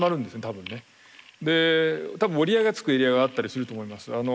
で多分折り合いがつくエリアがあったりすると思います。